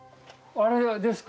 あれですか？